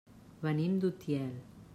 Venim d'Utiel.